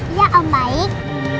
iya om baik